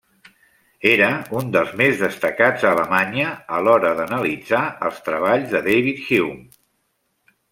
Era un dels més destacats a Alemanya a l'hora d'analitzar els treballs de David Hume.